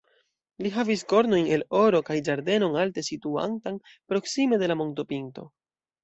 Li havis kornojn el oro kaj ĝardenon alte situantan, proksime de la montopinto.